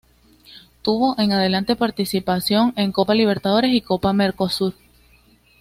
Tuvo en adelante participación en Copa Libertadores y Copa Mercosur.